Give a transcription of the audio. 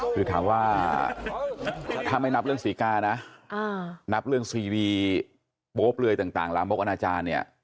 คือถามว่าถ้าไม่นับเรื่องศรีกานะนับเรื่องซีรีโป๊เปลือยต่างลามกอนาจารย์เนี่ย